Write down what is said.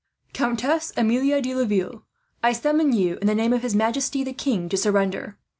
"Countess Amelie de Laville, I summon you, in the name of his majesty the king, to surrender.